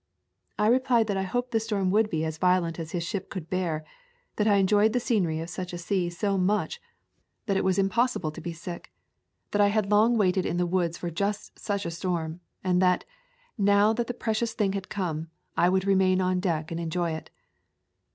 I replied that I hoped the storm would be as violent as his ship could bear, that I enjoyed the scenery of such a sea so much that it was impossible to be [ 145 ] A Thousand Mile Walk sick, that I had long waited in the woods for just such a storm, and that, now that the pre cious thing had come, | would remain on deck and enjoy it.